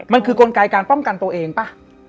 มันคือกลไกการป้องกันตัวเองป่ะ